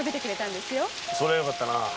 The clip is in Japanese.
そりゃよかったな。